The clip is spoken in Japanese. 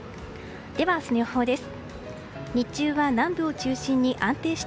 では、明日の予報です。